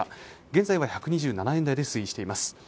現在は１２７円台で推移しています。